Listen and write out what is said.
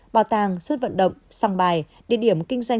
bảo tàng xuất vận động sang bài địa điểm kinh doanh